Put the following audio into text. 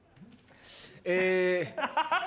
え。